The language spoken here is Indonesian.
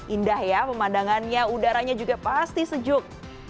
indah ya pemandangannya udaranya juga pasti sejuk